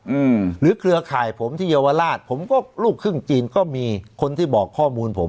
อืมหรือเครือข่ายผมที่เยาวราชผมก็ลูกครึ่งจีนก็มีคนที่บอกข้อมูลผม